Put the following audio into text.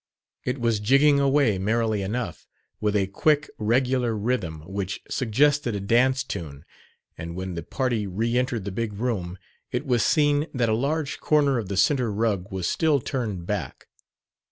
It was jigging away merrily enough, with a quick, regular rhythm which suggested a dance tune; and when the party re entered the big room it was seen that a large corner of the center rug was still turned back.